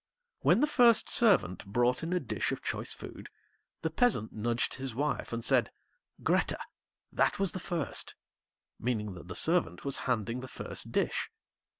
When the first Servant brought in a dish of choice food, the Peasant nudged his wife, and said: 'Grethe, that was the first,' meaning that the servant was handing the first dish.